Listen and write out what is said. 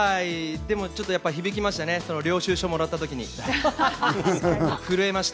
でも響きましたね、領収書をもらったときに震えました。